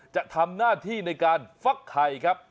จะทำหน้าที่ในการฟักไข่ครับ